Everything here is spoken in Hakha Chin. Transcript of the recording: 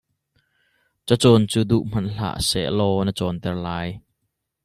Cacawn cu duh hmanh hlah sehlaw na cawnter lai.